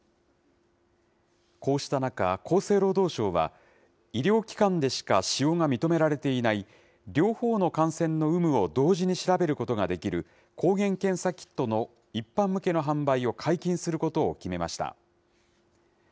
こうした中、厚生労働省は、医療機関でしか使用が認められていない、両方の感染の有無を同時に調べることができる、抗原検査キットの一般向けの販売を解禁することを決めました。